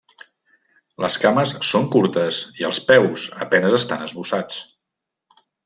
Les cames són curtes i els peus a penes estan esbossats.